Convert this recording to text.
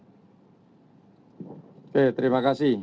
oke terima kasih